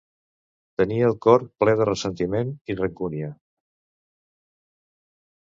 Tenir el cor ple de ressentiment i rancúnia.